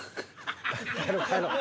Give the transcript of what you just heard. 帰ろう帰ろう。